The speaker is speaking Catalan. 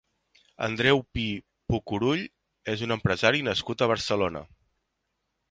Andreu Pi Pocurull és un empresari nascut a Barcelona.